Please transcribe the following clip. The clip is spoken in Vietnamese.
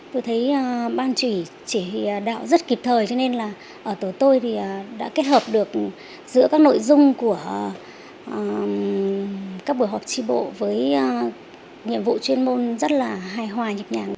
tôi thấy ban chỉ đạo rất kịp thời cho nên là tụi tôi đã kết hợp được giữa các nội dung của các buổi họp tri bộ với nhiệm vụ chuyên môn rất là hài hòa nhịp nhàng